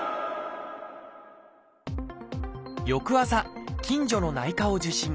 翌朝近所の内科を受診。